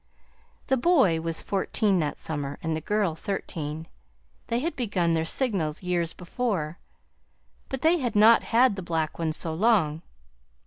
"The boy was fourteen that summer, and the girl thirteen. They had begun their signals years before, but they had not had the black one so long.